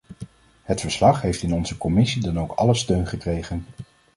Het verslag heeft in onze commissie dan ook alle steun gekregen.